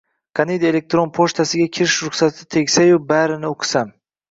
Qaniydi elektron pochtasiga kirish ruxsati tegsayu, barini o’qisam?